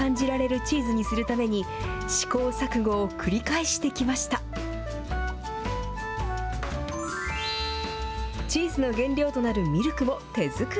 チーズの原料となるミルクも手作り。